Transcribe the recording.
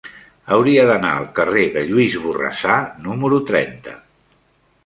Hauria d'anar al carrer de Lluís Borrassà número trenta.